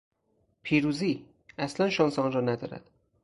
پیروزی! اصلا شانس آن را ندارد!